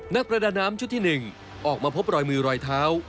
นักประดาน้ำชุดที่๑ออกมาพบรอยมือรอยเท้า